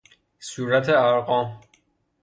صورت ارقام